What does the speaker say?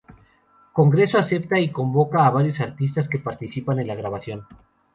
Congreso acepta, y convoca a varios artistas que participan en la grabación.